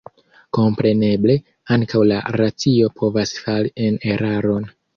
Kompreneble, ankaŭ la racio povas fali en eraron.